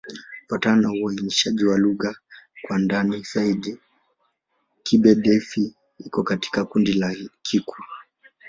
Kufuatana na uainishaji wa lugha kwa ndani zaidi, Kigbe-Defi iko katika kundi la Kikwa.